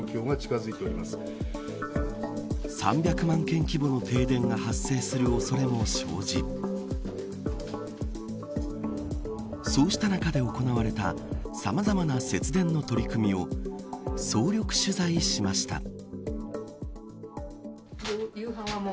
３００万軒規模の停電が発生するおそれも生じそうした中で行われたさまざまな節電の取り組みを総力取材しました。